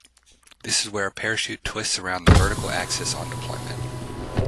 This is where a parachute twists around the vertical axis on deployment.